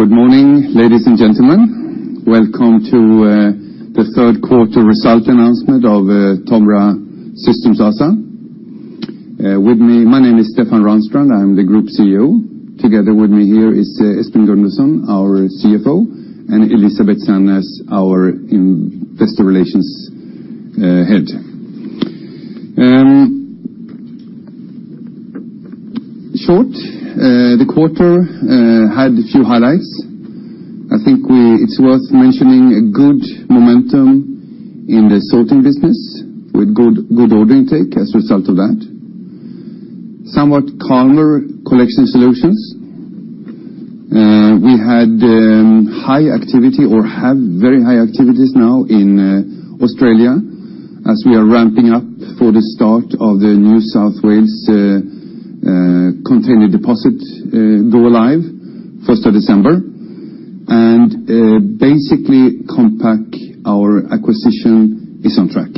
Good morning, ladies and gentlemen. Welcome to the third quarter result announcement of Tomra Systems ASA. My name is Stefan Ranstrand, I am the Group CEO. Together with me here is Espen Gundersen, our CFO, and Elisabeth Sandnes, our Investor Relations head. The quarter had a few highlights. I think it's worth mentioning a good momentum in the Sorting business, with good order intake as a result of that. Somewhat calmer Collection Solutions. We had high activity or have very high activities now in Australia as we are ramping up for the start of the New South Wales Container Deposit go live, December 1st. Basically Compac, our acquisition, is on track.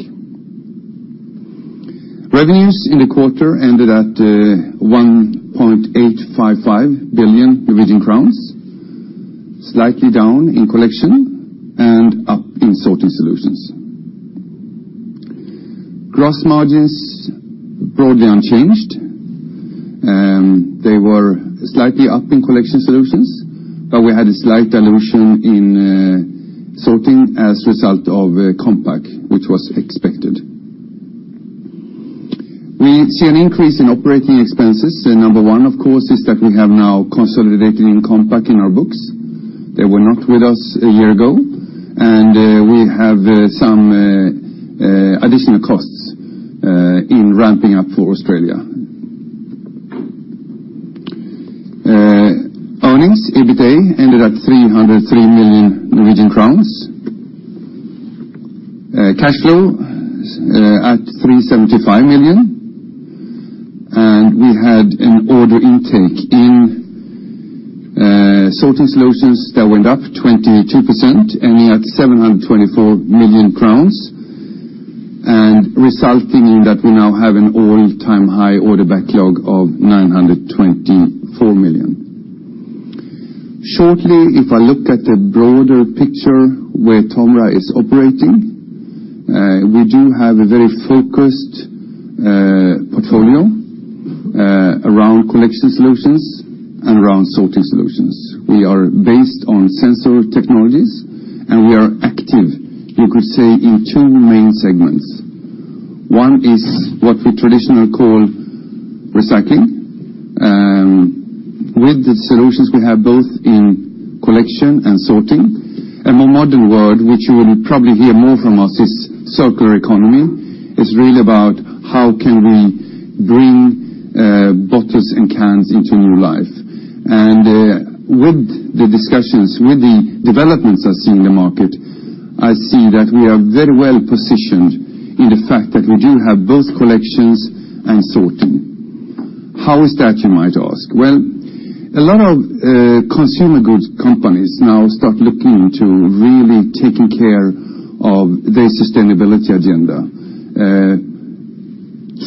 Revenues in the quarter ended at 1.855 billion Norwegian crowns, slightly down in Collection and up in Sorting Solutions. Gross margins broadly unchanged. They were slightly up in Collection Solutions, we had a slight dilution in Sorting as a result of Compac, which was expected. We see an increase in operating expenses. Number one, of course, is that we have now consolidated in Compac in our books. They were not with us a year ago. We have some additional costs in ramping up for Australia. Earnings, EBITA, ended at 303 million Norwegian crowns. Cash flow at 375 million. We had an order intake in Sorting Solutions that went up 22%, ending at 724 million crowns, and resulting in that we now have an all-time high order backlog of 924 million. If I look at the broader picture where Tomra is operating, we do have a very focused portfolio around Collection Solutions and around Sorting Solutions. We are based on sensor technologies. We are active, you could say, in two main segments. One is what we traditionally call recycling. With the solutions we have both in Collection and Sorting. A more modern word, which you will probably hear more from us, is circular economy. It's really about how can we bring bottles and cans into new life. With the discussions, with the developments I see in the market, I see that we are very well-positioned in the fact that we do have both Collection and Sorting. How is that, you might ask? Well, a lot of consumer goods companies now start looking to really taking care of their sustainability agenda,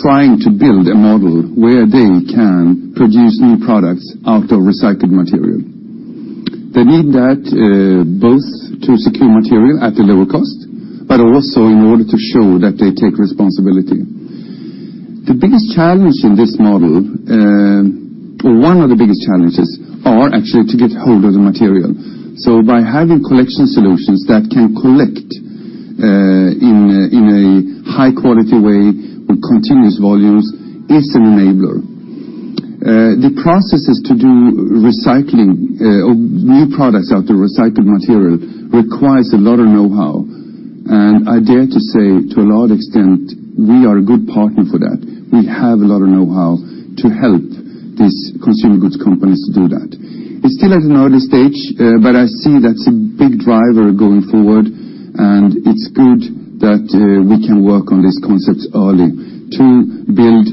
trying to build a model where they can produce new products out of recycled material. They need that both to secure material at a lower cost. Also in order to show that they take responsibility. The biggest challenge in this model, or one of the biggest challenges, are actually to get hold of the material. By having Collection Solutions that can collect in a high-quality way with continuous volumes is an enabler. The processes to do new products out of recycled material requires a lot of know-how. I dare to say, to a large extent, we are a good partner for that. We have a lot of know-how to help these consumer goods companies to do that. It's still at an early stage. I see that's a big driver going forward. It's good that we can work on these concepts early to build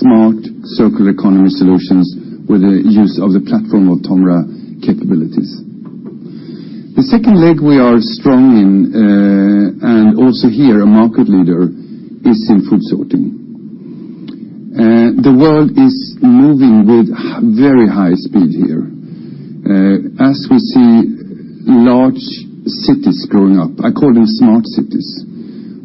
smart circular economy solutions with the use of the platform of Tomra capabilities. The second leg we are strong in, and also here a market leader, is in food sorting. The world is moving with very high speed here. As we see large cities growing up, I call them smart cities,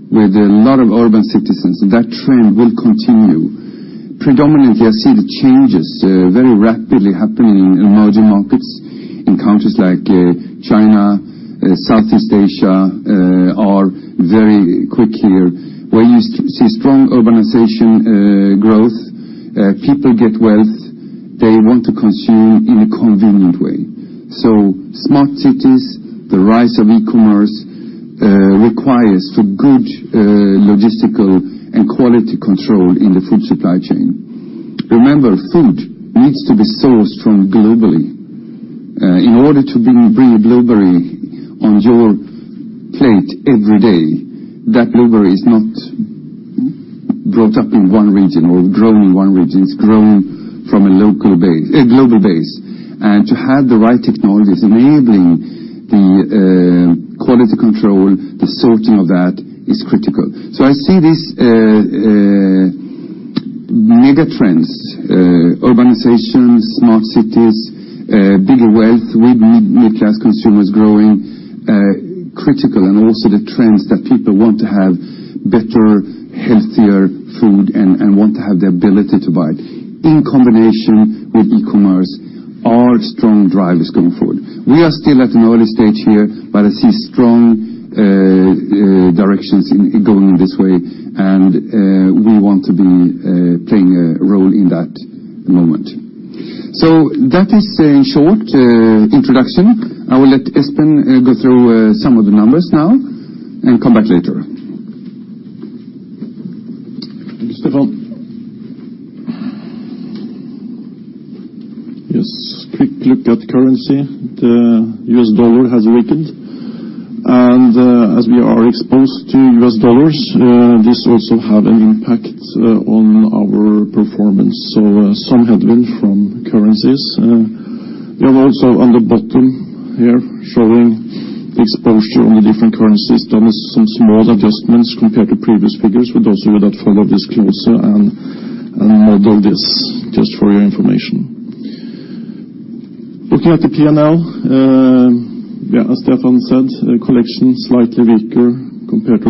with a lot of urban citizens, that trend will continue. Predominantly, I see the changes very rapidly happening in emerging markets in countries like China, Southeast Asia, are very quick here. Where you see strong urbanization growth, people get wealth, they want to consume in a convenient way. Smart cities, the rise of e-commerce, requires for good logistical and quality control in the food supply chain. Remember, food needs to be sourced from globally. In order to bring a blueberry on your plate every day, that blueberry is not brought up in one region or grown in one region. It's grown from a global base. To have the right technologies enabling the quality control, the sorting of that, is critical. I see this megatrends, urbanization, smart cities, bigger wealth with middle-class consumers growing critical, and also the trends that people want to have better, healthier food and want to have the ability to buy. In combination with e-commerce are strong drivers going forward. We are still at an early stage here, but I see strong directions going this way, and we want to be playing a role in that moment. That is a short introduction. I will let Espen go through some of the numbers now and come back later. Stefan. Yes, quick look at currency. The US dollar has weakened, and as we are exposed to US dollars, this also had an impact on our performance. Some headwind from currencies. We have also on the bottom here showing the exposure on the different currency systems. Some small adjustments compared to previous figures, but also with that follow this closer and model this just for your information. Looking at the P&L. As Stefan said, Collection slightly weaker compared to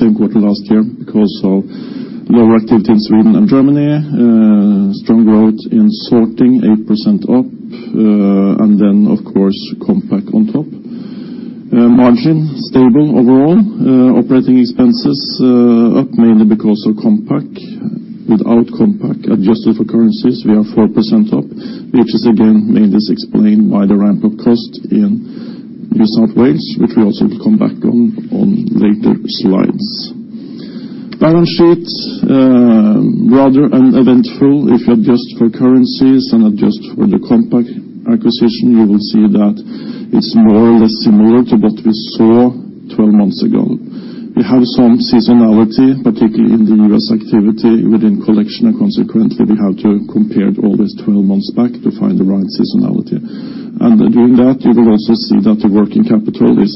same quarter last year because of lower activity in Sweden and Germany. Strong growth in sorting, 8% up, and then, of course, Compac on top. Margin stable overall. Operating expenses up mainly because of Compac. Without Compac, adjusted for currencies, we are 4% up, which is again mainly is explained by the ramp-up cost in New South Wales, which we also will come back on later slides. Balance sheet, rather uneventful. If you adjust for currencies and adjust for the Compac acquisition, you will see that it's more or less similar to what we saw 12 months ago. We have some seasonality, particularly in the U.S. activity within Collection, and consequently, we have to compare all this 12 months back to find the right seasonality. Doing that, you will also see that the working capital is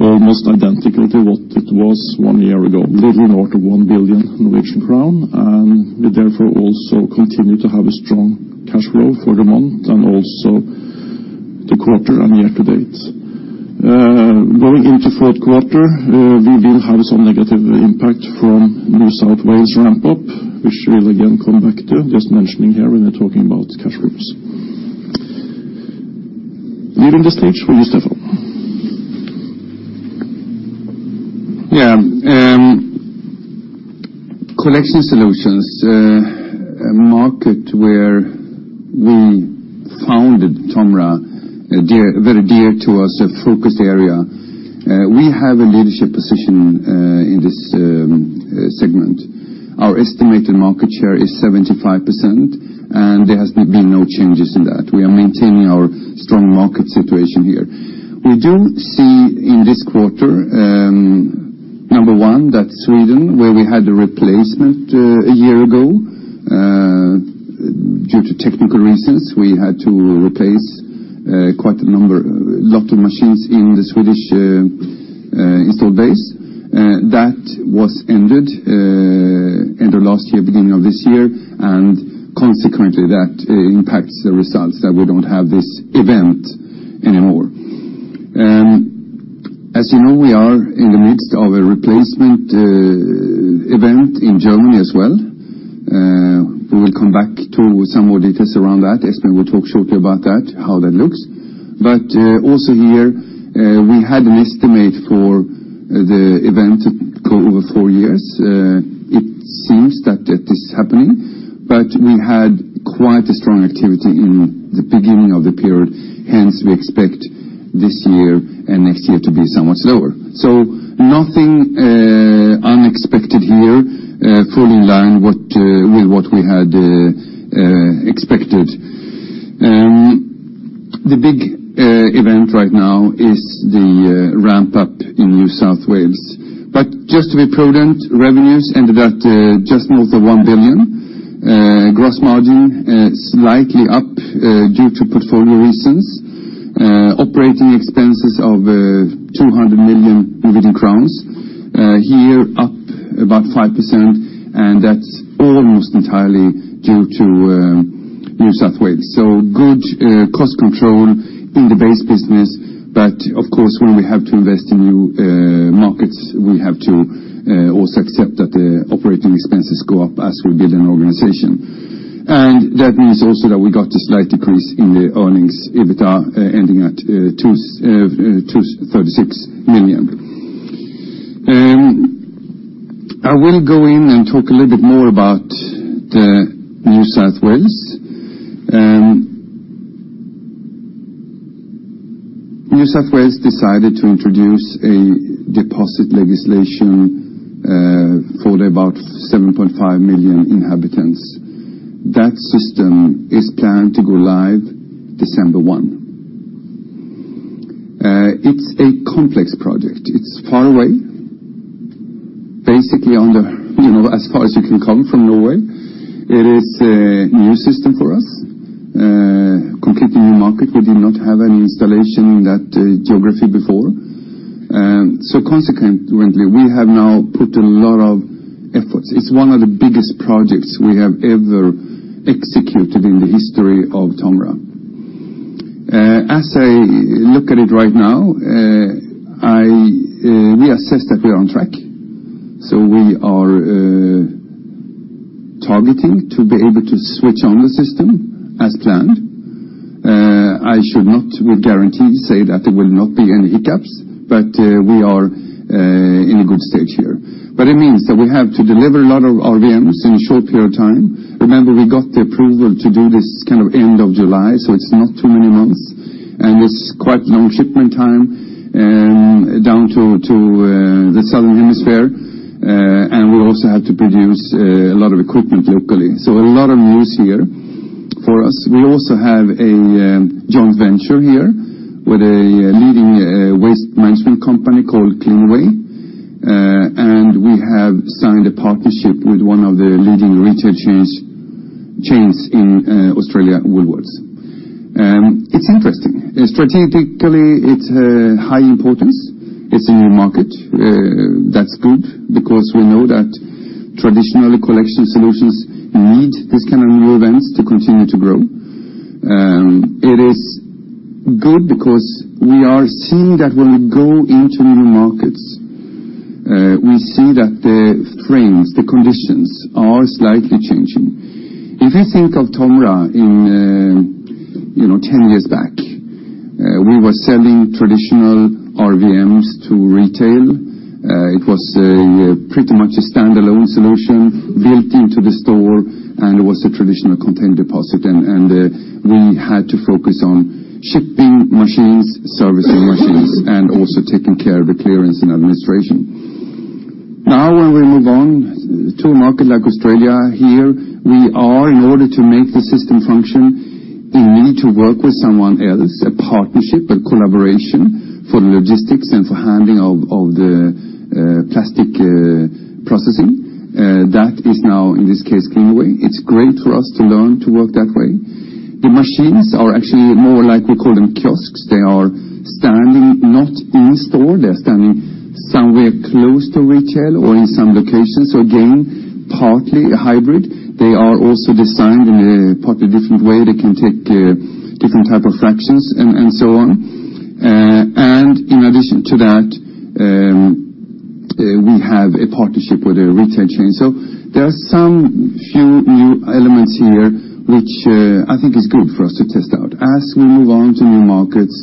almost identical to what it was one year ago, little north of 1 billion Norwegian crown, and we therefore also continue to have a strong cash flow for the month and also the quarter and year to date. Going into fourth quarter, we did have some negative impact from New South Wales ramp-up, which we'll again come back to. Just mentioning here when we're talking about cash flows. Leaving the stage for you, Stefan. Collection, a market where we founded Tomra, very dear to us, a focus area. We have a leadership position in this segment. Our estimated market share is 75%, and there has been no changes in that. We are maintaining our strong market situation here. We do see in this quarter, number 1, that Sweden, where we had a replacement a year ago. Due to technical reasons, we had to replace lots of machines in the Swedish install base. That was ended last year, beginning of this year, and consequently, that impacts the results that we do not have this event anymore. As you know, we are in the midst of a replacement event in Germany as well. We will come back to some more details around that. Espen will talk shortly about that, how that looks. Also here, we had an estimate for the event over four years. It seems that this is happening, but we had quite a strong activity in the beginning of the period. Hence, we expect this year and next year to be somewhat slower. Nothing unexpected here, fully in line with what we had expected. The big event right now is the ramp-up in New South Wales. Just to be prudent, revenues ended at just north of 1 billion. Gross margin slightly up due to portfolio reasons. Operating expenses of 200 million Norwegian crowns. Here, up about 5%, and that is almost entirely due to New South Wales. Good cost control in the base business. Of course, when we have to invest in new markets, we have to also accept that the operating expenses go up as we build an organization. That means also that we got a slight decrease in the earnings EBITDA, ending at NOK 236 million. I will go in and talk a little bit more about the New South Wales. New South Wales decided to introduce a deposit legislation for about 7.5 million inhabitants. That system is planned to go live December 1. It is a complex project. It is far away, basically as far as you can come from Norway. It is a new system for us. To get a new market. We did not have any installation in that geography before. Consequently, we have now put a lot of efforts. It is one of the biggest projects we have ever executed in the history of Tomra. As I look at it right now, we assess that we are on track. We are targeting to be able to switch on the system as planned. I should not with guarantee say that there will not be any hiccups, but we are in a good stage here. It means that we have to deliver a lot of RVMs in a short period of time. Remember, we got the approval to do this end of July, so it is not too many months, and it is quite a long shipment time down to the Southern Hemisphere. We also have to produce a lot of equipment locally. A lot of news here for us. We also have a joint venture here with a leading waste management company called Cleanaway. We have signed a partnership with one of the leading retail chains in Australia, Woolworths. It is interesting. Strategically, it is a high importance. It is a new market. That is good because we know that traditionally, Collection need this kind of new events to continue to grow. It is good because we are seeing that when we go into new markets, we see that the frames, the conditions are slightly changing. If you think of Tomra 10 years back, we were selling traditional RVMs to retail. It was pretty much a standalone solution built into the store, and it was a traditional container deposit. We had to focus on shipping machines, servicing machines, and also taking care of the clearance and administration. Now when we move on to a market like Australia here, we are, in order to make the system function, in need to work with someone else, a partnership, a collaboration for the logistics and for handling of the plastic processing. That is now, in this case, Cleanaway. It's great for us to learn to work that way. The machines are actually more like, we call them kiosks. They are standing not in store. They're standing somewhere close to retail or in some locations. Again, partly a hybrid. They are also designed in a partly different way. They can take different type of fractions and so on. In addition to that, we have a partnership with a retail chain. There are some few new elements here, which I think is good for us to test out. As we move on to new markets,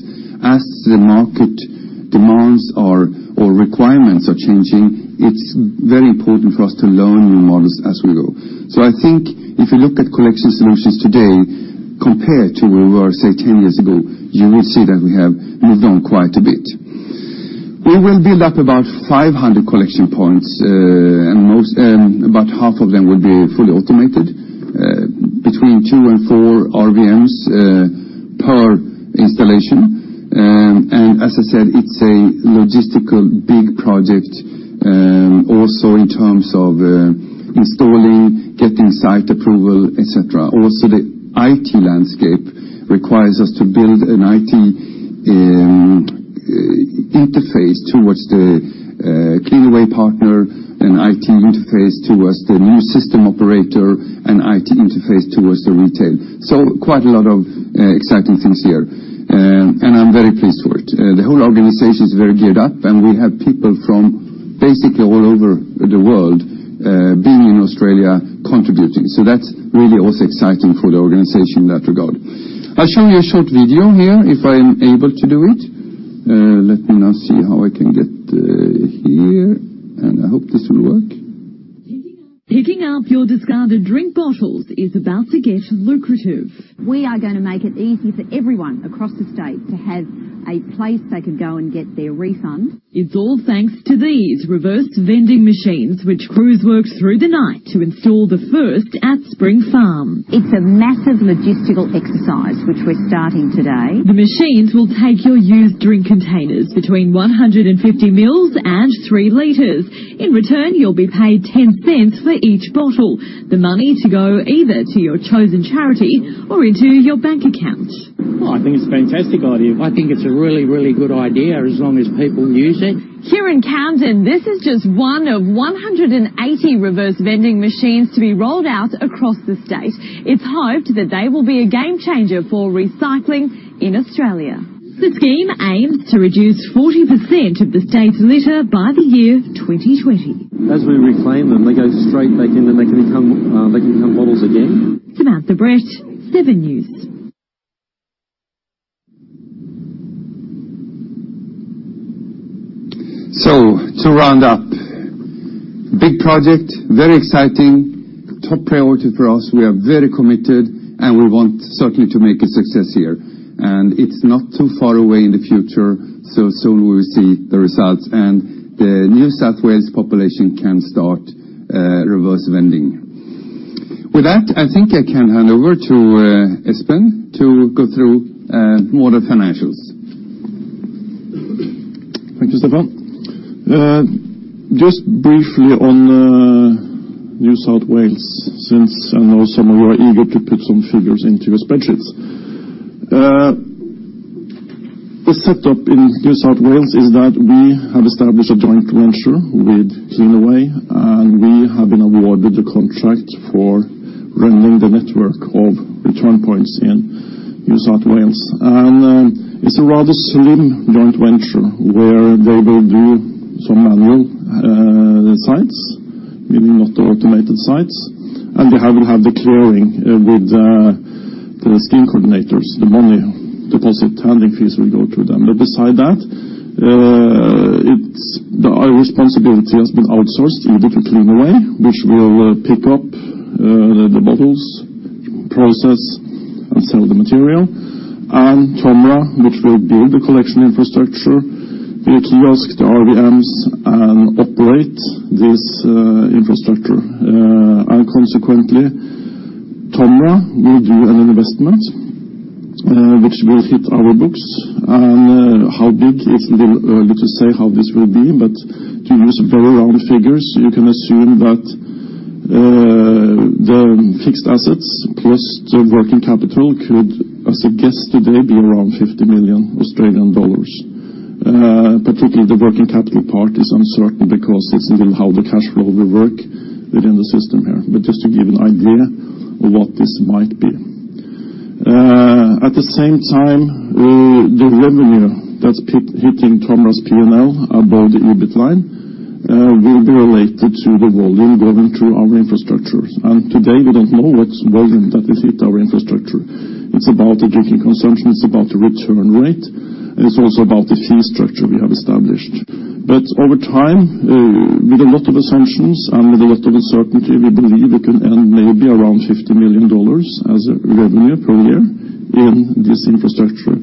as the market demands or requirements are changing, it's very important for us to learn new models as we go. I think if you look at collection solutions today compared to where we were, say, 10 years ago, you will see that we have moved on quite a bit. We will build up about 500 collection points, and about half of them will be fully automated, between two and four RVMs per installation. As I said, it's a logistical big project, also in terms of installing, getting site approval, et cetera. Also, the IT landscape requires us to build an IT interface towards the Cleanaway partner, an IT interface towards the new system operator, an IT interface towards the retail. Quite a lot of exciting things here, and I'm very pleased for it. The whole organization is very geared up, and we have people from basically all over the world being in Australia contributing. That's really also exciting for the organization in that regard. I'll show you a short video here if I am able to do it. Let me now see how I can get here, and I hope this will work. Picking up your discarded drink bottles is about to get lucrative. We are going to make it easy for everyone across the state to have a place they can go and get their refunds. It's all thanks to these reverse vending machines, which crews worked through the night to install the first at Spring Farm. It's a massive logistical exercise, which we're starting today. The machines will take your used drink containers between 150 mils and three liters. In return, you'll be paid 0.10 for each bottle, the money to go either to your chosen charity or into your bank account. Oh, I think it's a fantastic idea. I think it's a really, really good idea as long as people use it. Here in Camden, this is just one of 180 reverse vending machines to be rolled out across the state. It's hoped that they will be a game changer for recycling in Australia. The scheme aims to reduce 40% of the state's litter by the year 2020. As we reclaim them, they go straight back in, and they can become bottles again. Samantha Brett, 7 News. To round up, big project, very exciting. Top priority for us. We are very committed, and we want certainly to make a success here. It's not too far away in the future, so soon we will see the results, and the New South Wales population can start reverse vending. With that, I think I can hand over to Espen to go through more of the financials. Thank you, Stefan. Just briefly on New South Wales, since I know some of you are eager to put some figures into your spreadsheets. The setup in New South Wales is that we have established a joint venture with Cleanaway, we have been awarded the contract for running the network of return points in New South Wales. It's a rather slim joint venture where they will do some manual sites, meaning not the automated sites. They will have the clearing with the scheme coordinators. The money deposit handling fees will go through them. Beside that, our responsibility has been outsourced either to Cleanaway, which will pick up the bottles, process and sell the material, and Tomra, which will build the Collection infrastructure via kiosk the RVMs and operate this infrastructure. Consequently, Tomra will do an investment which will hit our books. How big, it's a little early to say how this will be, to use very round figures, you can assume that the fixed assets plus the working capital could, as a guess today, be around 50 million Australian dollars. Particularly the working capital part is uncertain because it's a little how the cash flow will work within the system here. Just to give an idea of what this might be. At the same time, the revenue that's hitting Tomra's P&L above the EBIT line will be related to the volume going through our infrastructures. Today we don't know which volume that will hit our infrastructure. It's about the drinking consumption, it's about the return rate, and it's also about the fee structure we have established. Over time, with a lot of assumptions and with a lot of uncertainty, we believe we can earn maybe around 50 million dollars as revenue per year in this infrastructure.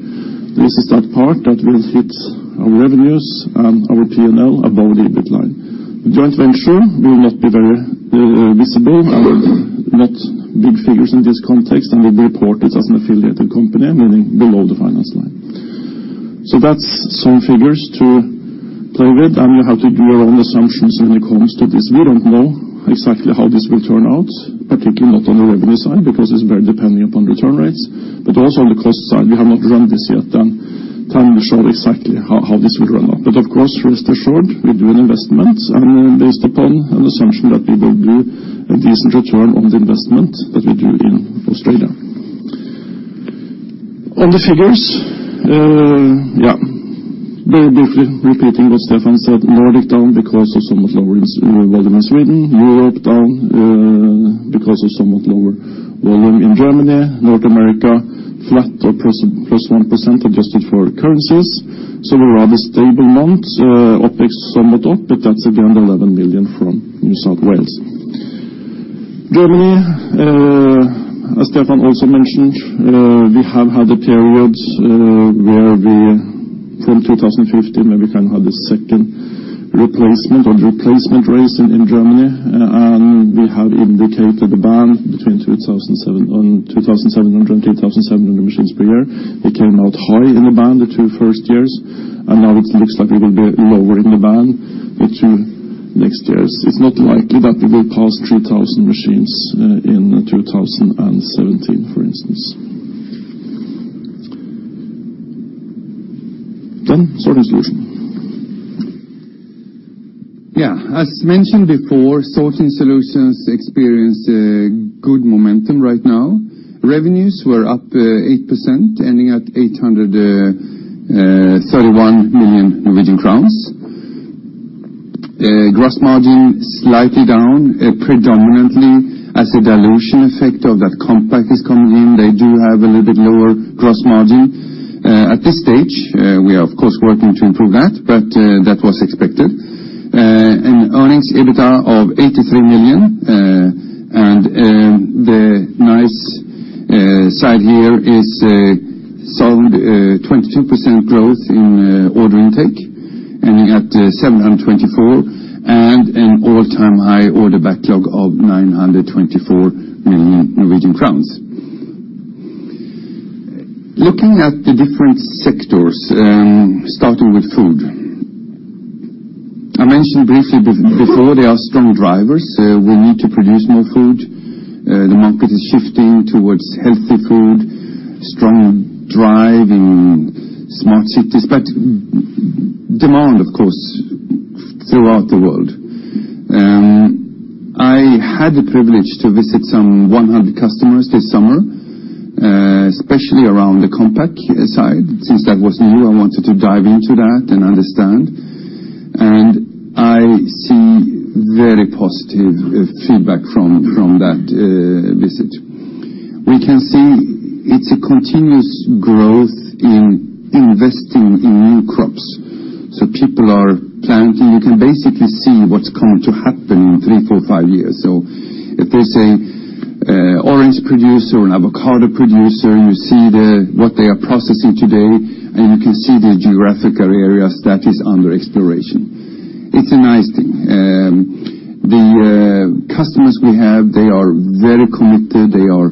This is that part that will hit our revenues and our P&L above the EBIT line. The joint venture will not be very visible and not big figures in this context and will be reported as an affiliated company, meaning below the finance line. That's some figures to play with, you have to do your own assumptions when it comes to this. We don't know exactly how this will turn out, particularly not on the revenue side, because it's very depending upon return rates. Also on the cost side, we have not run this yet and time will show exactly how this will run up. Of course, rest assured, we do an investment based upon an assumption that we will do a decent return on the investment that we do in Australia. On the figures, very briefly repeating what Stefan said, Nordic down because of somewhat lower volume in Sweden. Europe down because of somewhat lower volume in Germany. North America flat or +1% adjusted for currencies. A rather stable month. OpEx summed it up, that's again 11 million from New South Wales. Germany, as Stefan also mentioned, we have had a period where we, from 2015, where we kind of had the second replacement or replacement race in Germany, we have indicated the band between 2,007 and 2,700 machines per year. We came out high in the band the two first years, now it looks like we will be lower in the band the two next years. It's not likely that we will pass 3,000 machines in 2017, for instance. Sorting Solutions. As mentioned before, Sorting Solutions experience a good momentum right now. Revenues were up 8%, ending at 831 million NOK. Gross margin slightly down, predominantly as a dilution effect of that Compac is coming in. They do have a little bit lower gross margin. At this stage, we are of course working to improve that, but that was expected. Earnings, EBITDA of 83 million. The nice side here is a sound 22% growth in order intake, ending at 724 and an all-time high order backlog of 924 million Norwegian crowns. Looking at the different sectors, starting with food. I mentioned briefly before, there are strong drivers. We need to produce more food. The market is shifting towards healthy food, strong drive in smart cities, but demand, of course, throughout the world. I had the privilege to visit some 100 customers this summer, especially around the Compac side. Since that was new, I wanted to dive into that and understand. I see very positive feedback from that visit. We can see it's a continuous growth in investing in new crops. People are planting. You can basically see what's going to happen in three, four, five years. If there's an orange producer, an avocado producer, you see what they are processing today, and you can see the geographical areas that is under exploration. It's a nice thing. The customers we have, they are very committed. They are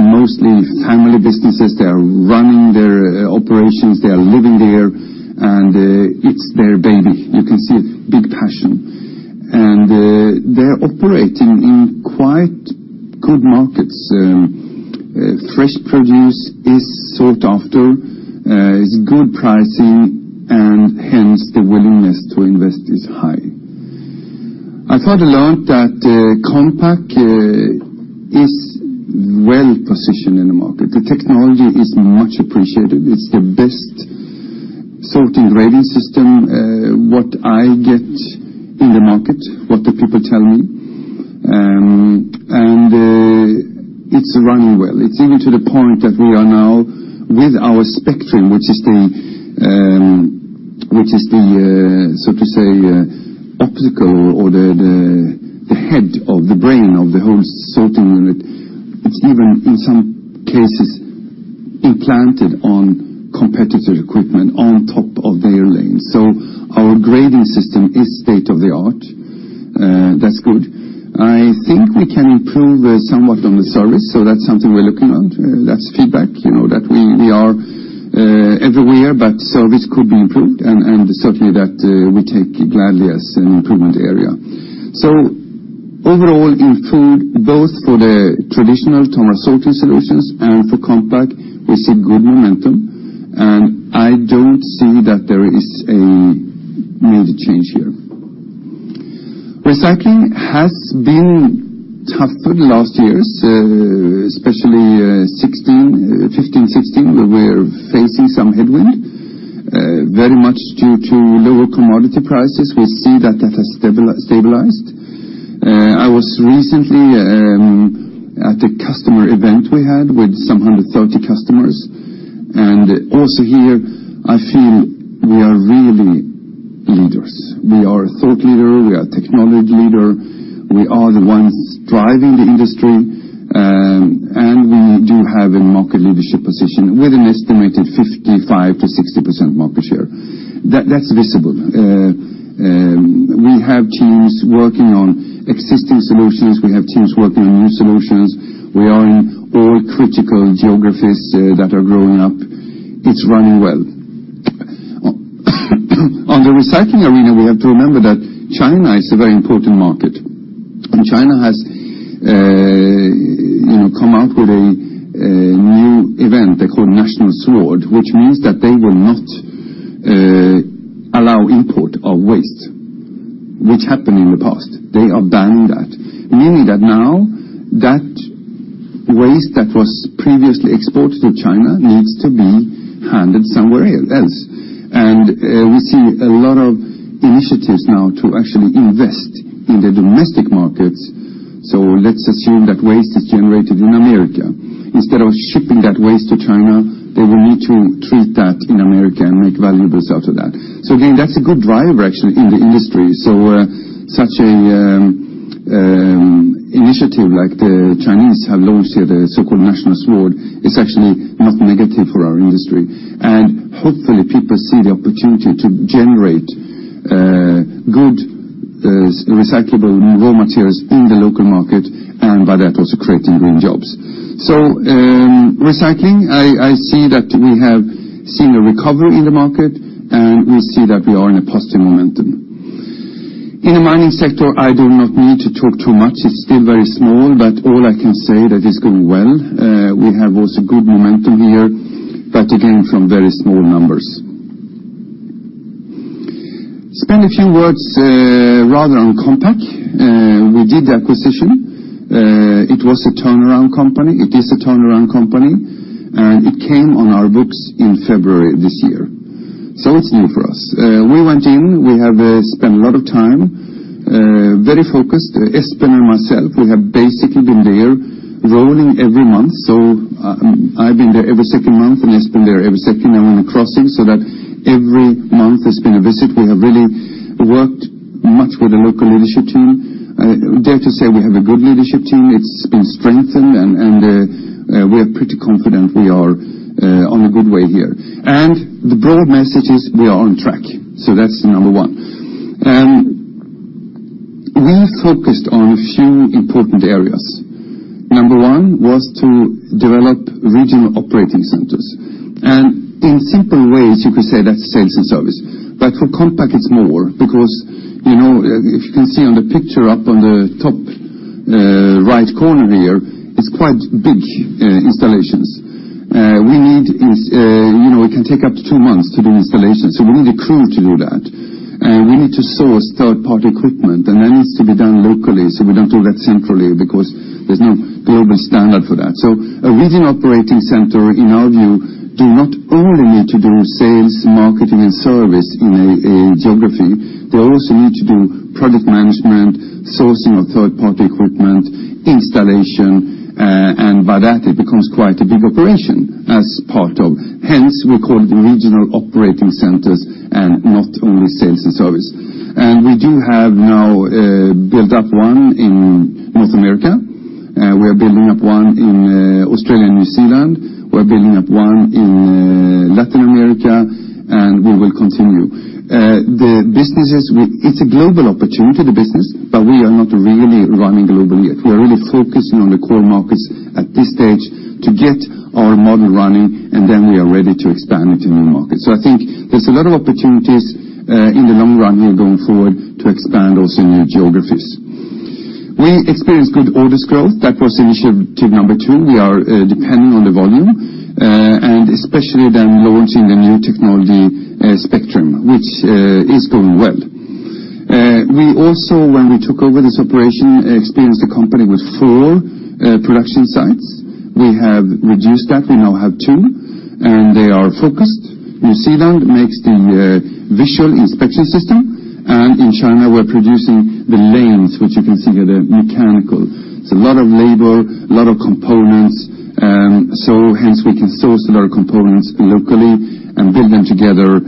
mostly family businesses. They are running their operations, they are living there, and it's their baby. You can see big passion. They're operating in quite good markets. Fresh produce is sought after, is good pricing, and hence the willingness to invest is high. I thought a lot that Compac is well-positioned in the market. The technology is much appreciated. It's the best sorting grading system, what I get in the market, what the people tell me. It's running well. It's even to the point that we are now with our Spectrim, which is the, so to say, optical or the head of the brain of the whole sorting unit. It's even, in some cases, implanted on competitor equipment on top of their lane. Our grading system is state-of-the-art. That's good. I think we can improve somewhat on the service, that's something we're looking at. That's feedback, that we are everywhere, service could be improved, and certainly that we take gladly as an improvement area. Overall, in food, both for the traditional Tomra Sorting Solutions and for Compac, we see good momentum, I don't see that there is a mood change here. Recycling has been tougher the last years, especially 2015, 2016, where we're facing some headwind, very much due to lower commodity prices. We see that that has stabilized. I was recently at a customer event we had with some 130 customers. Also here, I feel we are really leaders. We are a thought leader, we are a technology leader, we are the ones driving the industry, and we do have a market leadership position with an estimated 55%-60% market share. That's visible. We have teams working on existing solutions. We have teams working on new solutions. We are in all critical geographies that are growing up. It's running well. On the recycling arena, we have to remember that China is a very important market. China has come out with a new event they call National Sword, which means that they will not allow import of waste, which happened in the past. They are banning that. Meaning that now, that waste that was previously exported to China needs to be handled somewhere else. We see a lot of initiatives now to actually invest in the domestic markets. Let's assume that waste is generated in America. Instead of shipping that waste to China, they will need to treat that in America and make valuables out of that. Again, that's a good driver, actually, in the industry. Such an initiative like the Chinese have launched here, the so-called National Sword, is actually not negative for our industry. Hopefully, people see the opportunity to generate good recyclable raw materials in the local market, and by that, also creating green jobs. Recycling, I see that we have seen a recovery in the market, and we see that we are in a positive momentum. In the mining sector, I do not need to talk too much. It's still very small, but all I can say that it's going well. We have also good momentum here, but again, from very small numbers. Spend a few words rather on Compac. We did the acquisition. It was a turnaround company. It is a turnaround company. It came on our books in February this year. It's new for us. We went in, we have spent a lot of time, very focused. Espen and myself, we have basically been there rolling every month. I've been there every second month, and Espen there every second. I'm on the crossing so that every month has been a visit. We have really worked much with the local leadership team. I dare to say we have a good leadership team. It's been strengthened, and we are pretty confident we are on a good way here. The broad message is we are on track. That's number one. We focused on a few important areas. Number one was to develop regional operating centers. In simple ways, you could say that's sales and service. But for Compac, it's more because, if you can see on the picture up on the top right corner here, it's quite big installations. It can take up to two months to do installations, so we need a crew to do that. We need to source third-party equipment, that needs to be done locally. We don't do that centrally because there's no global standard for that. A regional operating center, in our view, do not only need to do sales, marketing, and service in a geography, they also need to do product management, sourcing of third-party equipment, installation, and by that, it becomes quite a big operation as part of. Hence, we call it regional operating centers and not only sales and service. We do have now built up one North America. We are building up one in Australia and New Zealand. We are building up one in Latin America, and we will continue. It's a global opportunity, the business, but we are not really running globally yet. We are really focusing on the core markets at this stage to get our model running, then we are ready to expand into new markets. I think there's a lot of opportunities, in the long run here going forward, to expand also new geographies. We experienced good orders growth. That was initiative number 2. We are dependent on the volume, and especially then launching the new technology Spectrim, which is going well. We also, when we took over this operation, experienced the company with four production sites. We have reduced that. We now have two, and they are focused. New Zealand makes the visual inspection system, and in China, we're producing the lanes, which you can see are the mechanical. It's a lot of labor, a lot of components. Hence we can source a lot of components locally and build them together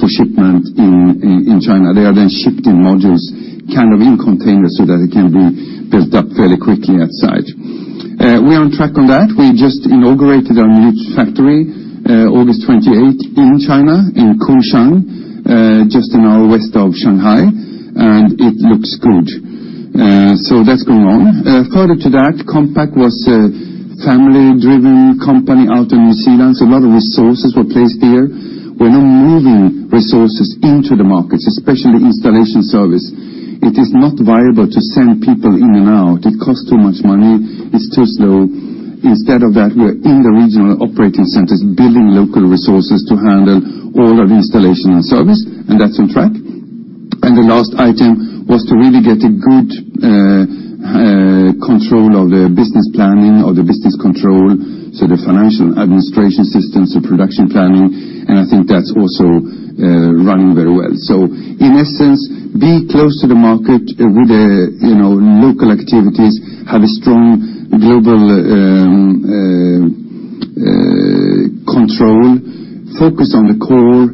for shipment in China. They are then shipped in modules, kind of in containers so that it can be built up fairly quickly at site. We are on track on that. We just inaugurated our new factory August 28th in China, in Kunshan, just an hour west of Shanghai, and it looks good. That's going on. Further to that, Compac was a family-driven company out in New Zealand, a lot of resources were placed there. We're now moving resources into the markets, especially installation service. It is not viable to send people in and out. It costs too much money. It's too slow. Instead of that, we're in the regional operating centers building local resources to handle all of the installation and service, and that's on track. The last item was to really get a good control of the business planning, of the business control, so the financial administration systems, the production planning, and I think that's also running very well. In essence, be close to the market with local activities, have a strong global control, focus on the core,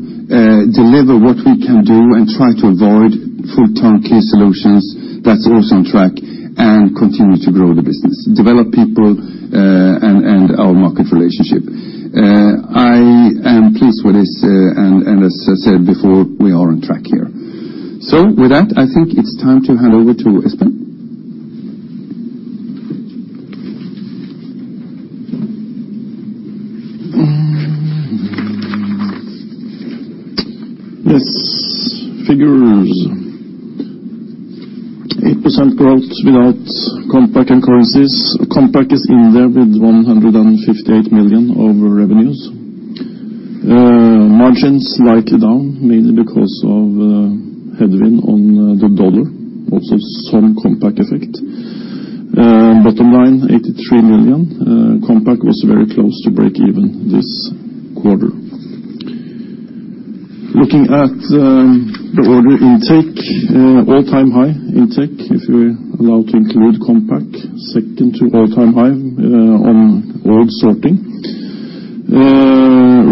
deliver what we can do, and try to avoid full turnkey solutions. That's also on track, and continue to grow the business, develop people, and our market relationship. I am pleased with this, and as I said before, we are on track here. With that, I think it's time to hand over to Espen. Yes. Figures. 8% growth without Compac and currencies. Compac is in there with 158 million of revenues. Margins slightly down, mainly because of headwind on the U.S. dollar, also some Compac effect. Bottom line, 83 million. Compac was very close to break even this quarter. Looking at the order intake, all-time high intake, if we're allowed to include Compac. Second to all-time high on overall Sorting Solutions.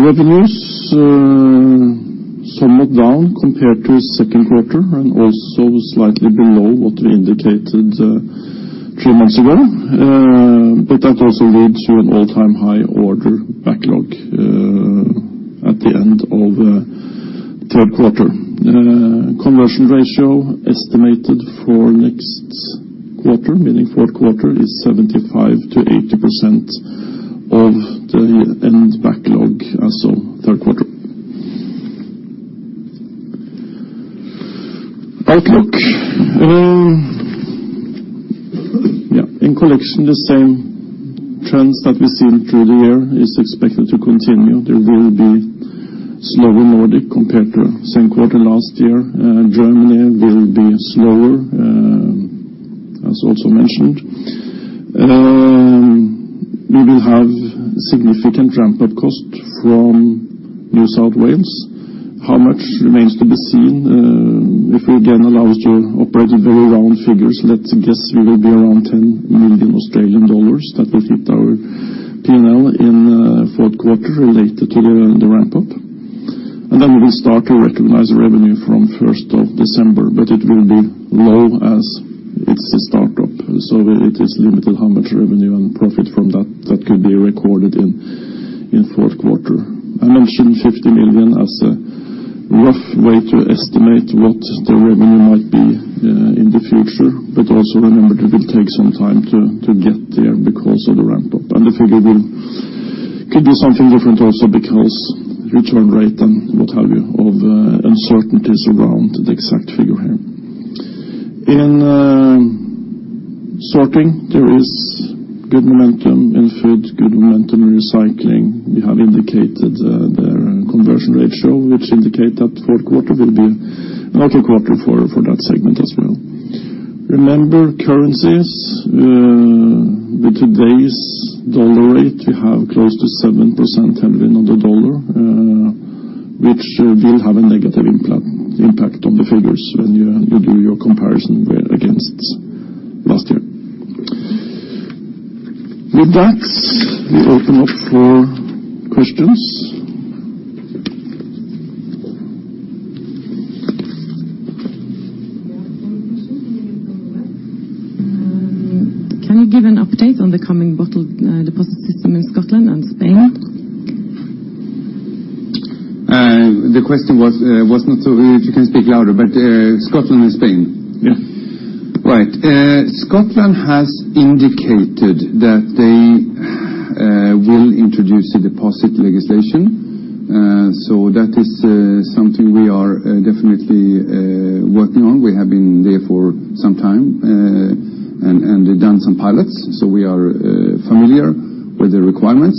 Revenues somewhat down compared to second quarter and also slightly below what we indicated three months ago. That also leads to an all-time high order backlog at the end of third quarter. Conversion ratio estimated for next quarter, meaning fourth quarter, is 75%-80% of the end backlog as of third quarter. Outlook. In Collection, the same trends that we've seen through the year is expected to continue. There will be slower Nordic compared to second quarter last year. Germany will be slower, as also mentioned. We will have significant ramp-up cost from New South Wales. How much remains to be seen. If we again allow us to operate with very round figures, let's guess we will be around 10 million Australian dollars. That will hit our P&L in fourth quarter related to the ramp-up. Then we will start to recognize revenue from 1st of December, but it will be low as it's a startup, so it is limited how much revenue and profit from that that could be recorded in fourth quarter. I mentioned 50 million as a rough way to estimate what the revenue might be in the future, but also remember it will take some time to get there because of the ramp-up. The figure could be something different also because return rate and what have you of uncertainties around the exact figure here. In sorting, there is good momentum in food, good momentum in recycling. We have indicated their conversion ratio, which indicate that fourth quarter will be an okay quarter for that segment as well. Remember currencies. With today's dollar rate, we have close to 7% headwind on the dollar, which will have a negative impact on the figures when you do your comparison against last year. With that, we open up for questions We have one question coming in from the web. Can you give an update on the coming bottle deposit system in Scotland and Spain? The question was. If you can speak louder, Scotland and Spain? Yes. Right. That is something we are definitely working on. We have been there for some time and done some pilots, so we are familiar with the requirements.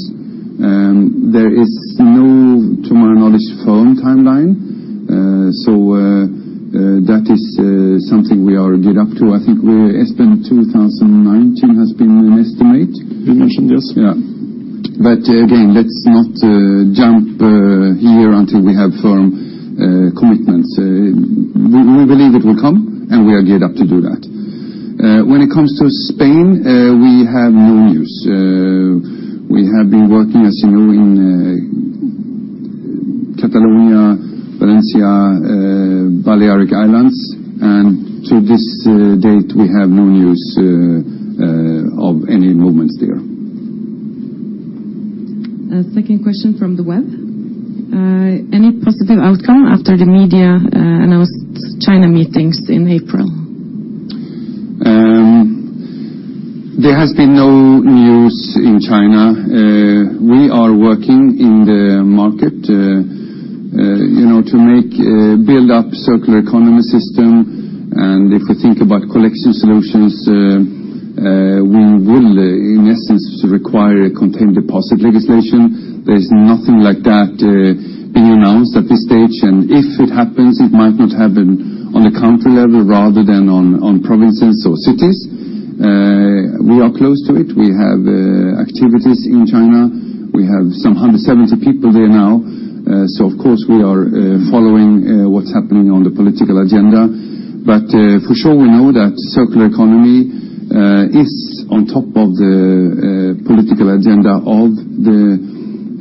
There is no, to my knowledge, firm timeline. That is something we are geared up to. I think autumn 2019 has been an estimate. We mentioned, yes. Yeah. Again, let's not jump here until we have firm commitments. We believe it will come, and we are geared up to do that. When it comes to Spain, we have no news. We have been working, as you know, in Catalonia, Valencia, Balearic Islands, and to this date, we have no news of any movements there. A second question from the web. Any positive outcome after the media announced China meetings in April? There has been no news in China. We are working in the market to build up circular economy system. If we think about Collection Solutions, we will, in essence, require a container deposit legislation. There is nothing like that being announced at this stage. If it happens, it might not happen on the country level rather than on provinces or cities. We are close to it. We have activities in China. We have some 170 people there now. Of course, we are following what is happening on the political agenda. For sure, we know that circular economy is on top of the political agenda of the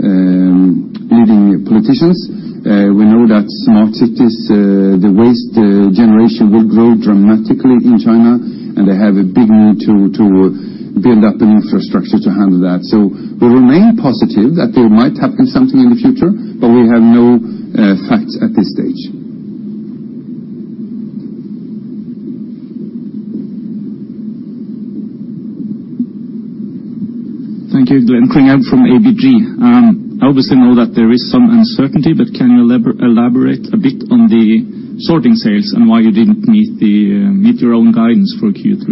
leading politicians. We know that smart cities, the waste generation will grow dramatically in China, and they have a big need to build up an infrastructure to handle that. We remain positive that there might happen something in the future, but we have no facts at this stage. Thank you. Glen Klingend from ABG. I obviously know that there is some uncertainty, but can you elaborate a bit on the Sorting sales and why you did not meet your own guidance for Q3?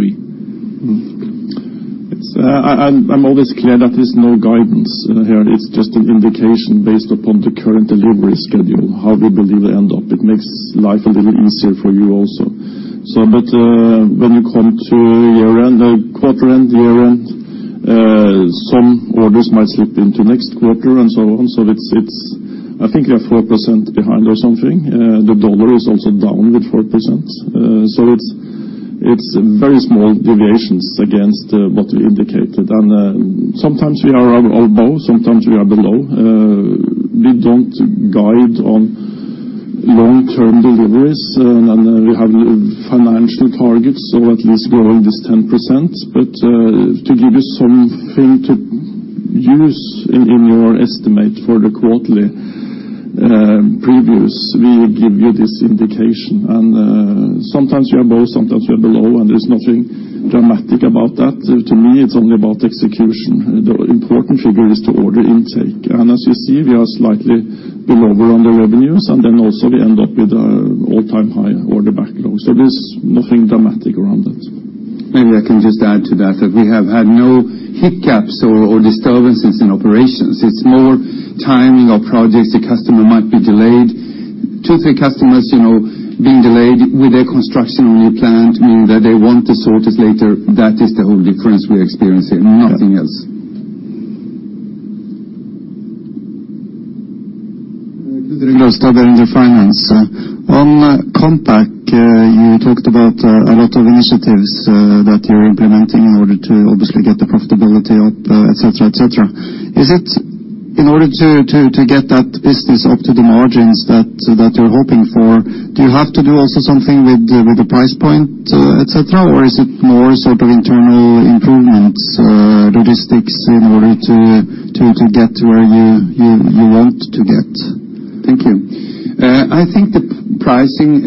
I am always clear that there is no guidance here. It is just an indication based upon the current delivery schedule, how we believe it end up. It makes life a little easier for you also. When you come to quarter-end, year-end, some orders might slip into next quarter and so on. I think we are 4% behind or something. The U.S. dollar is also down with 4%. It is very small deviations against what we indicated. Sometimes we are above, sometimes we are below. We do not guide on long-term deliveries, and we have financial targets of at least growing this 10%. To give you something to use in your estimate for the quarterly previews, we give you this indication. Sometimes we are above, sometimes we are below, and there is nothing dramatic about that. To me, it is only about execution. The important figure is the order intake. As you see, we are slightly below on the revenues, also we end up with all-time high order backlog. There is nothing dramatic around it. Maybe I can just add to that we have had no hiccups or disturbances in operations. It is more timing of projects. The customer might be delayed. Two, three customers being delayed with their construction on new plant, meaning that they want to sort this later. That is the whole difference we are experiencing. Nothing else. Gunnar Støver, DNB. On Compac, you talked about a lot of initiatives that you are implementing in order to obviously get the profitability up, et cetera. In order to get that business up to the margins that you are hoping for, do you have to do also something with the price point, et cetera, or is it more sort of internal improvements, logistics in order to get to where you want to get? Thank you. I think the pricing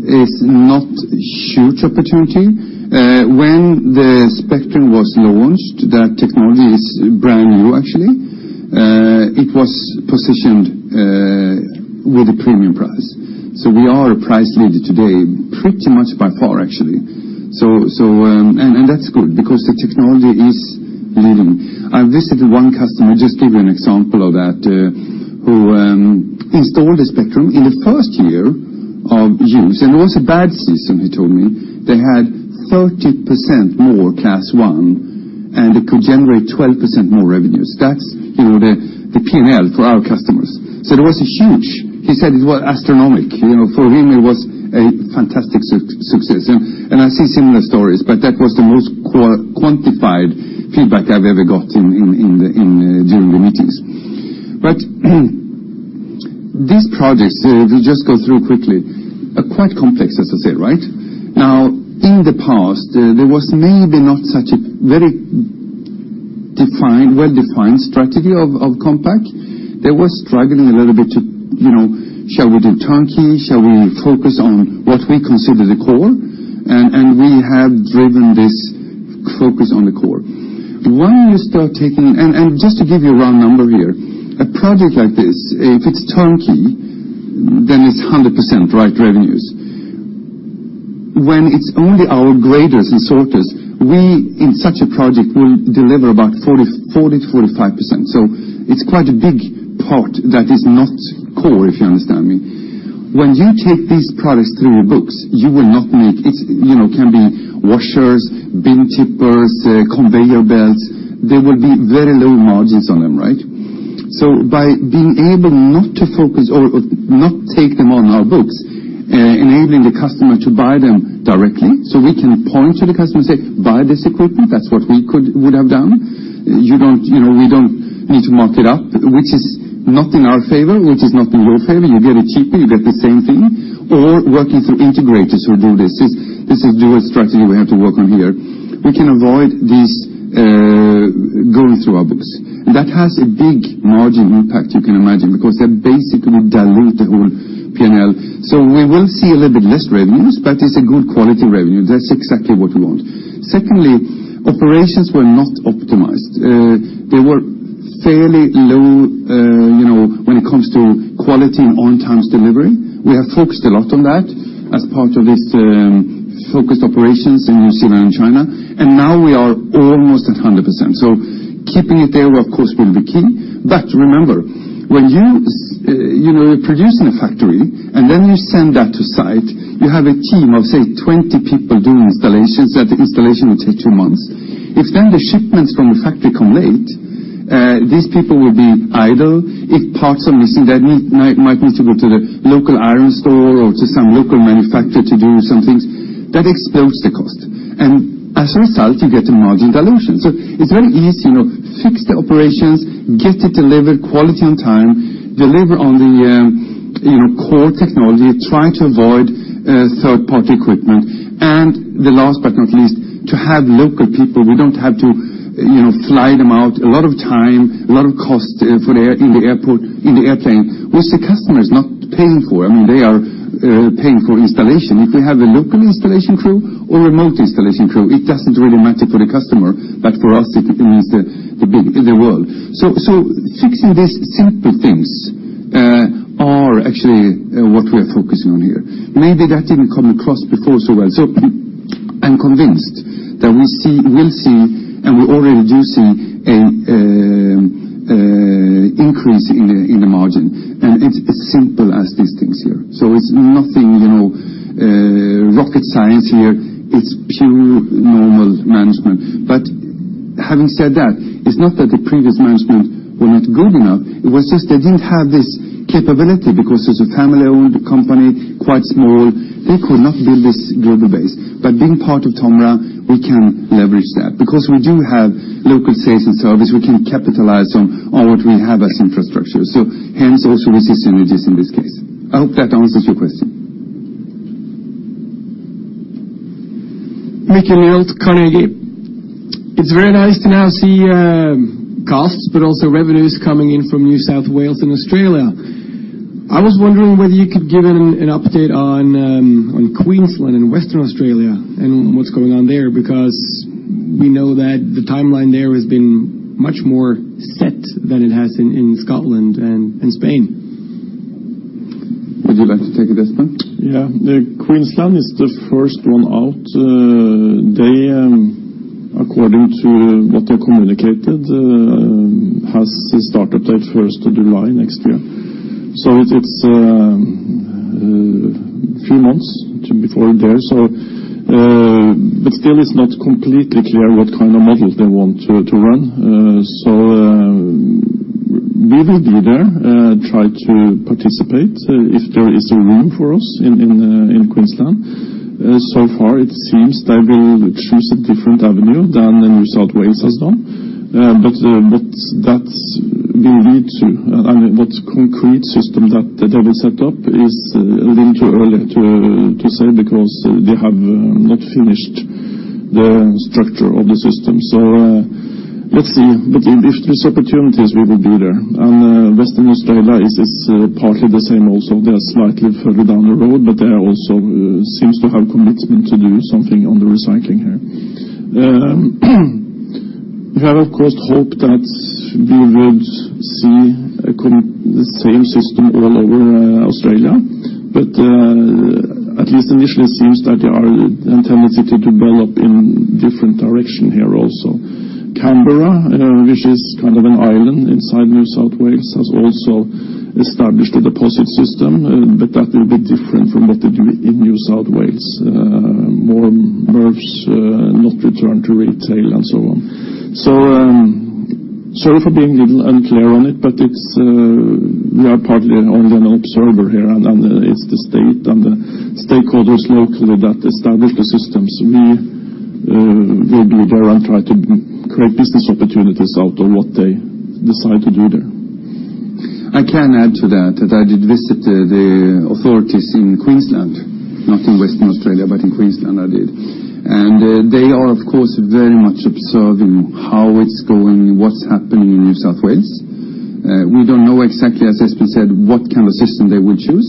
is not huge opportunity. When the Spectrim was launched, that technology is brand new, actually. It was positioned with a premium price. We are a price leader today, pretty much by far, actually. That is good because the technology is leading. I visited one customer, just to give you an example of that, who installed the Spectrim. In the first year of use, and it was a bad season, he told me, they had 30% more Class One, and they could generate 12% more revenues. That is the P&L for our customers. That was huge. He said it was astronomic. For him, it was a fantastic success. I see similar stories, but that was the most quantified feedback I have ever got during the meetings. These projects, we will just go through quickly, are quite complex, as I said, right? In the past, there was maybe not such a very well-defined strategy of Compac. They were struggling a little bit to, shall we do turnkey? Shall we focus on what we consider the core? We have driven this focus on the core. Just to give you a round number here, a project like this, if it's turnkey, then it's 100% right revenues. When it's only our graders and sorters, we, in such a project, will deliver about 40%-45%. It's quite a big part that is not core, if you understand me. It can be washers, bin tippers, conveyor belts. There will be very low margins on them, right? By being able not to focus or not take them on our books, enabling the customer to buy them directly, we can point to the customer and say, "Buy this equipment. That's what we would have done. We don't need to mark it up." Which is not in our favor, which is not in your favor. You get it cheaper, you get the same thing. Or working through integrators who do this. This is dual strategy we have to work on here. We can avoid these going through our books. That has a big margin impact, you can imagine, because they basically dilute the whole P&L. We will see a little bit less revenues, but it's a good quality revenue. That's exactly what we want. Secondly, operations were not optimized. They were fairly low when it comes to quality and on-time delivery. We have focused a lot on that as part of this focused operations in New Zealand and China, and now we are almost at 100%. Keeping it there, of course, will be key. Remember, when you're producing a factory and then you send that to site, you have a team of, say, 20 people doing installations. That installation will take two months. If then the shipments from the factory come late, these people will be idle. If parts are missing that might need to go to the local iron store or to some local manufacturer to do some things, that explodes the cost. As a result, you get a margin dilution. It's very easy. Fix the operations, get it delivered quality on time, deliver on the core technology, try to avoid third-party equipment. The last but not least, to have local people. We don't have to fly them out. A lot of time, a lot of cost in the airplane, which the customer is not paying for. I mean, they are paying for installation. If we have a local installation crew or remote installation crew, it doesn't really matter for the customer, but for us, it means the world. Fixing these simple things are actually what we are focusing on here. Maybe that didn't come across before so well. I'm convinced that we'll see, and we already do see, an increase in the margin. It's as simple as these things here. It's nothing rocket science here. It's pure normal management. Having said that, it's not that the previous management were not good enough. It was just they didn't have this capability because it's a family-owned company, quite small. They could not build this global base. Being part of Tomra, we can leverage that. We do have local sales and service, we can capitalize on what we have as infrastructure. Hence also the synergies in this case. I hope that answers your question. Mikael Nyholt, Carnegie. It's very nice to now see costs but also revenues coming in from New South Wales and Australia. I was wondering whether you could give an update on Queensland and Western Australia and what's going on there, because we know that the timeline there has been much more set than it has in Scotland and in Spain. Would you like to take this one? Queensland is the first one out. They, according to what they communicated, has the startup date 1st of July next year. It's a few months before there. Still, it's not completely clear what kind of models they want to run. We will be there, try to participate if there is a room for us in Queensland. So far, it seems they will choose a different avenue than the New South Wales has done. What concrete system that they will set up is a little too early to say because they have not finished the structure of the system. Let's see. If there's opportunities, we will be there. Western Australia is partly the same also. They're slightly further down the road, but they also seem to have commitment to do something on the recycling here. We have, of course, hoped that we would see the same system all over Australia. At least initially, it seems that they are in tendency to develop in different directions here also. Canberra, which is kind of an island inside New South Wales, has also established a deposit system. That will be different from what they do in New South Wales. More bottles not returned to retail and so on. Sorry for being a little unclear on it, but we are partly only an observer here, and it's the state and the stakeholders locally that establish the systems. We'll be there and try to create business opportunities out of what they decide to do there. I can add to that I did visit the authorities in Queensland, not in Western Australia, but in Queensland I did. They are, of course, very much observing how it's going, what's happening in New South Wales. We don't know exactly, as Espen said, what kind of system they will choose,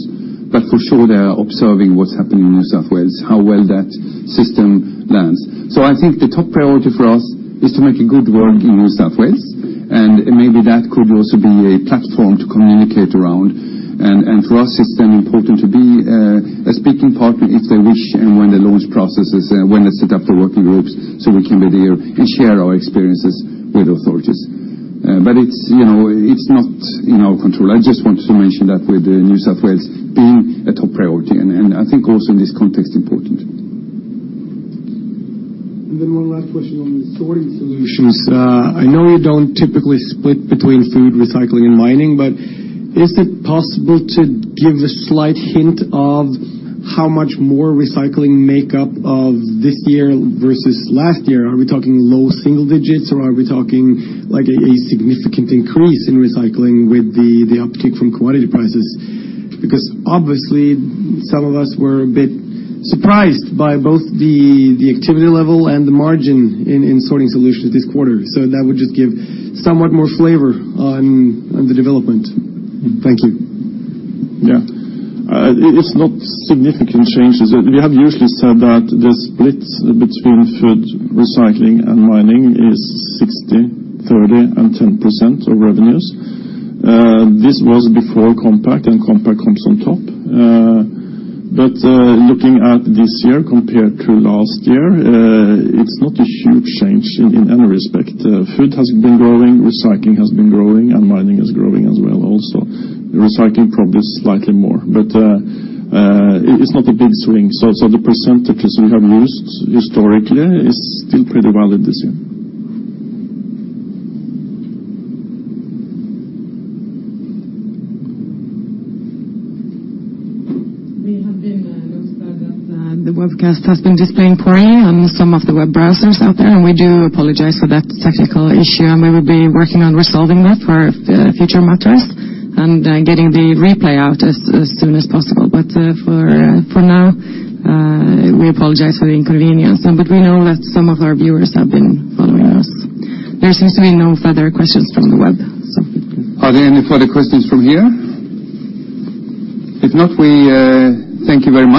but for sure they are observing what's happening in New South Wales, how well that system lands. I think the top priority for us is to make a good work in New South Wales, and maybe that could also be a platform to communicate around. To us, it's then important to be a speaking partner if they wish and when the launch process is when they set up the working groups, so we can be there and share our experiences with authorities. It's not in our control. I just wanted to mention that with New South Wales being a top priority, and I think also in this context important. One last question on the Sorting Solutions. I know you don't typically split between food, recycling, and mining, but is it possible to give a slight hint of how much more recycling make up of this year versus last year? Are we talking low single-digits, or are we talking like a significant increase in recycling with the uptick from commodity prices? Obviously, some of us were a bit surprised by both the activity level and the margin in Sorting Solutions this quarter. That would just give somewhat more flavor on the development. Thank you. Yeah. It's not significant changes. We have usually said that the split between food, recycling, and mining is 60%, 30%, and 10% of revenues. This was before Compac. Compac comes on top. Looking at this year compared to last year, it's not a huge change in any respect. Food has been growing, recycling has been growing, and mining is growing as well also. Recycling probably slightly more. It's not a big swing. The percentages we have used historically is still pretty valid this year. We have been notified that the webcast has been displaying poorly on some of the web browsers out there. We do apologize for that technical issue. We will be working on resolving that for future matters and getting the replay out as soon as possible. For now, we apologize for the inconvenience. We know that some of our viewers have been following us. There seems to be no further questions from the web. Are there any further questions from here? If not, we thank you very much.